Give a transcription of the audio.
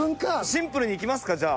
シンプルにいきますかじゃあ。